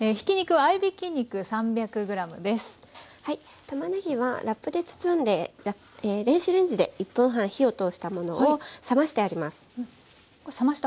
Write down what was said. はいたまねぎはラップで包んで電子レンジで１分半火を通したものを冷ましてあります。